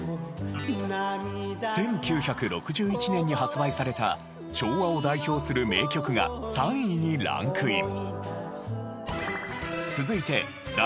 １９６１年に発売された昭和を代表する名曲が３位にランクイン。